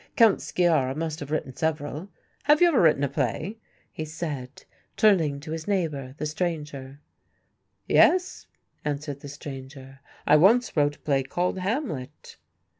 Count Sciarra must have written several; have you ever written a play?" he said, turning to his neighbour, the stranger. "Yes," answered the stranger, "I once wrote a play called 'Hamlet.